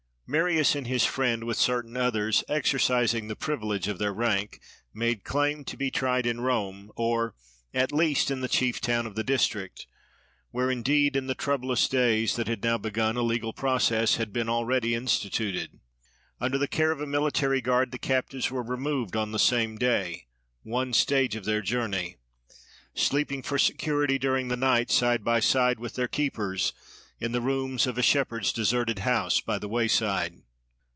Marius and his friend, with certain others, exercising the privilege of their rank, made claim to be tried in Rome, or at least in the chief town of the district; where, indeed, in the troublous days that had now begun, a legal process had been already instituted. Under the care of a military guard the captives were removed on the same day, one stage of their journey; sleeping, for security, during the night, side by side with their keepers, in the rooms of a shepherd's deserted house by the wayside.